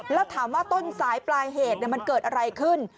แล้วถามว่าต้นสายปลายเหตุมันเกิดอะไรขึ้น